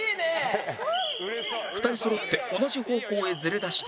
２人そろって同じ方向へずれだした